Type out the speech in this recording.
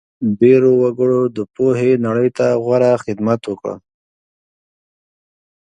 ډېرو وګړو د پوهې نړۍ ته غوره خدمت وکړ.